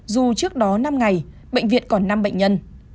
dù trước đó năm ngày bệnh viện còn năm bệnh nhân